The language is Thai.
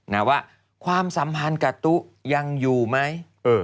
นะว่าความสัมพันธ์กับตุ๊ยังอยู่ไหม